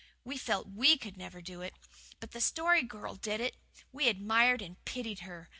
We felt WE could never do it. But the Story Girl did it. We admired and pitied her.